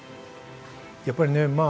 やっぱりね